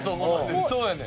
そうやねん。